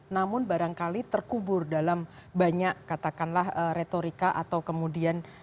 namun barangkali terkubur dalam banyak katakanlah retorika atau kemudian